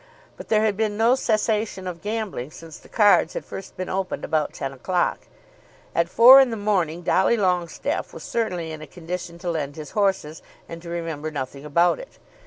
But there had been no cessation of gambling since the cards had first been opened about ten o'clock. At four in the morning Dolly Longestaffe was certainly in a condition to lend his horses and to remember nothing about it.